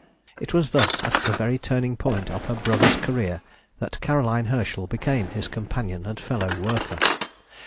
_] It was thus at the very turning point of her brother's career that Caroline Herschel became his companion and fellow worker.